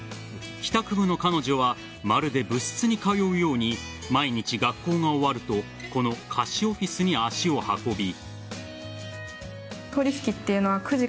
帰宅後の彼女はまるで部室に通うように毎日、学校が終わるとこの貸しオフィスに足を運び。